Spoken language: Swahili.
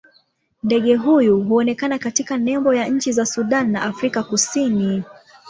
Ndege huyu huonekana katika nembo ya nchi za Sudan na Afrika Kusini.